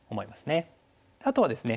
あとはですね